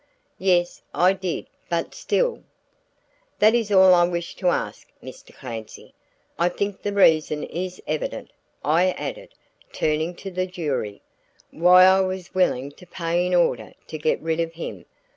"Yes, I did, but still " "That is all I wish to ask, Mr. Clancy. I think the reason is evident," I added, turning to the jury, "why I was willing to pay in order to get rid of him.